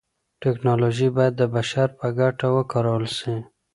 تکنالوژي بايد د بشر په ګټه وکارول سي.